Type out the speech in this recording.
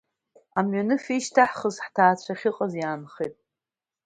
Амҩаныфа ишьҭаҳхыз ҳҭаацәа ахьыҟаз иаанхеит.